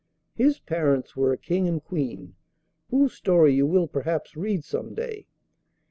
His parents were a King and Queen, whose story you will perhaps read some day.